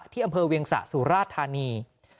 อำเภอเวียงสะสุราธานี